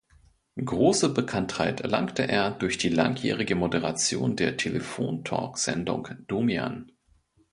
Große Bekanntheit erlangte er durch die langjährige Moderation der Telefon-Talk-Sendung "Domian".